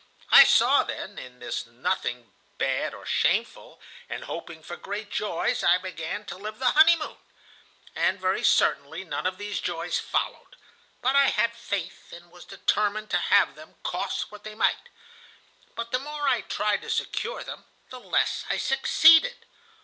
"I saw, then, in this nothing bad or shameful, and, hoping for great joys, I began to live the honeymoon. And very certainly none of these joys followed. But I had faith, and was determined to have them, cost what they might. But the more I tried to secure them, the less I succeeded.